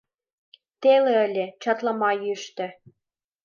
Теле ыле, чатлама йӱштӧ.